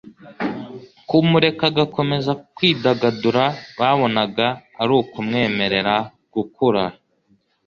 Kumureka agakomeza kwidagadura babonaga ari ukumwemerera gukura.